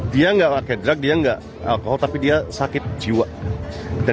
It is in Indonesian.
dia nggak pakai drug dia nggak alkohol tapi dia sakit jiwa